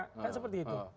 kan seperti itu